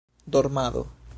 dormado